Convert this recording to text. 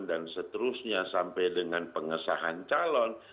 dan seterusnya sampai dengan pengesahan calon